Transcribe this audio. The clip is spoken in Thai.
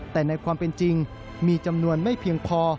แต่ในความเป็นจริงมีจำนวนไม่เพียงพอ